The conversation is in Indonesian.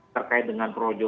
terkait dengan projo